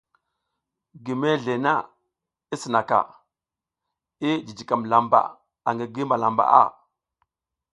Gi mezle na i sinaka, i jijikam lamba angi gi malambaʼa.